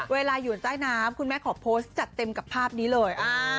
เวลาอยู่ใต้น้ำคุณแม่ขอโพสต์จัดเต็มกับภาพนี้เลย